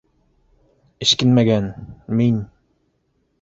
Эшкинмәгән, мин...